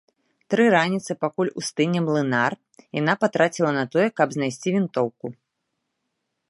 Тры раніцы, пакуль устане млынар, яна патраціла на тое, каб знайсці вінтоўку.